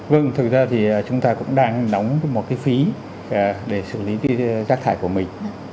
vâng thực ra thì chúng ta cũng đang đóng một cái phí để xử lý cái rác thải của mình